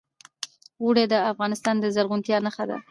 اوړي د افغانستان د زرغونتیا نښه ده.